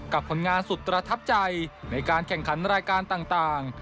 ผลงานสุดประทับใจในการแข่งขันรายการต่าง